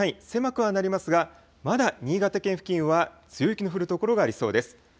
狭くはなりますが、まだ新潟県付近は強い雪の降る所がありそうです。